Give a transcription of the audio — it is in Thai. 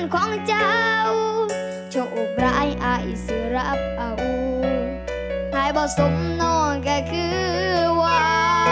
ของเจ้าโชคร้ายอายศรัพย์อาวุธไทยบ่สมน้องก็คือว่า